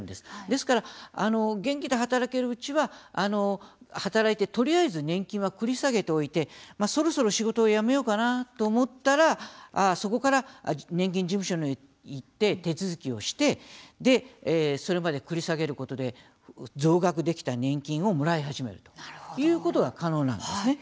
ですから、元気で働けるうちは働いてとりあえず年金は繰り下げておいてそろそろ仕事を辞めようかなと思ったら、そこから年金事務所に行って手続きをしてそれまで繰り下げることで増額できた年金をもらい始めるということが可能なんですね。